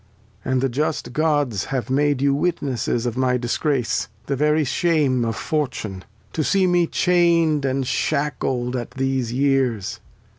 And the just Gods have made you Witnesses Of my Disgrace, the very Shame of Fortune, To see me chain' d and shackled at these Years